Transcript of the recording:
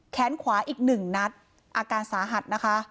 แค้นขวาอีก๑นัดอาการสาหัสนะคะ